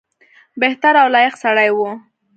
بهتر او لایق سړی وو.